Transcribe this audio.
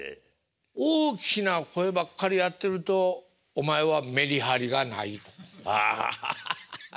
大きな声ばっかりやってると「お前はメリハリがない」。ああハハハハ。